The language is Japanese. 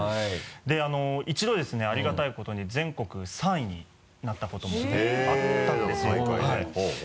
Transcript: で一度ですねありがたいことに全国３位になったこともあったんですよ。